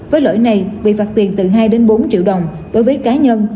với lỗi này việc phạt tiền từ hai bốn triệu đồng đối với cá nhân